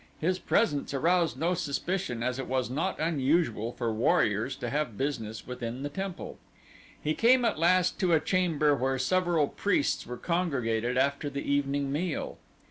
His presence aroused no suspicion as it was not unusual for warriors to have business within the temple. He came at last to a chamber where several priests were congregated after the evening meal.